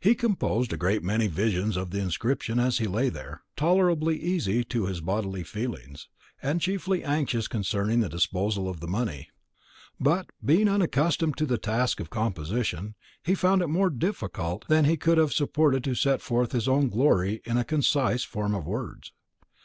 He composed a great many versions of the inscription as he lay there, tolerably easy as to his bodily feelings, and chiefly anxious concerning the disposal of the money; but, being unaccustomed to the task of composition, he found it more difficult than he could have supposed to set forth his own glory in a concise form of words.